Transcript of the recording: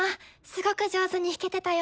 すごく上手に弾けてたよ。